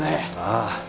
ああ。